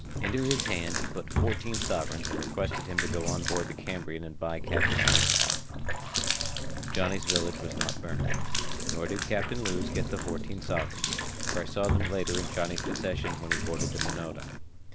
Into his hand he put fourteen sovereigns and requested him to go on board the Cambrian and buy Captain Lewes off. Johnny's village was not burned. Nor did Captain Lewes get the fourteen sovereigns, for I saw them later in Johnny's possession when he boarded the Minota.